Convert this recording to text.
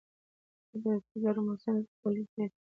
د دوبي په ګرم موسم کې خولې زیاتې کېږي.